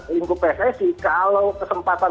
lingku pssi kalau kesempatan